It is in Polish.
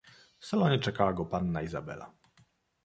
"W salonie czekała go panna Izabela."